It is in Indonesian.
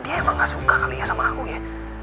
dia emang gak suka kalinya sama aku ya